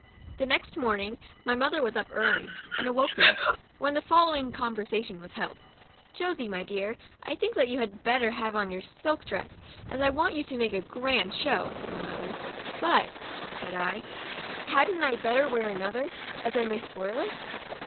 The next morning my mother was up early, and awoke me, when the following con versation was held :—" Josey, my dear, I think you had better have on your silk dress, as I want you to make a grand show," said my mother. "But," said I, COUNTRY DOLL. 69 " hadn't I better wear another, as I may spoil it?"